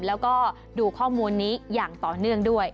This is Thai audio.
แล้วก็ดูข้อมูลนี้อย่างต่อเนื่องด้วย